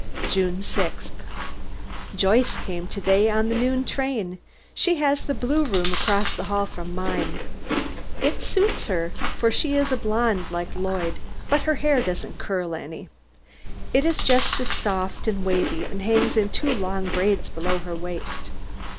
JUNE 6th. Joyce came to day on the noon train. She has the blue room across the hall from mine. It suits her, for she is a blonde like Lloyd, but her hair doesn't curl any. It is just soft and wavy, and hangs in two long braids below her waist.